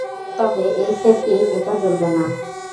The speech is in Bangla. তবে এই সেটটি একা জ্বলবে না।